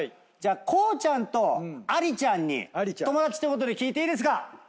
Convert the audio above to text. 光ちゃんとありちゃんに友達ってことで聞いていいですか？